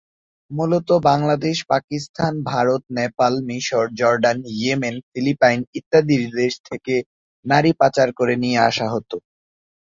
মূলত বাংলাদেশ, পাকিস্তান, ভারত, নেপাল, মিশর, Jordan, Yemen, Philippine ইত্যাদি দেশ থেকে নারী পাচার করে নিয়ে আসা হতো।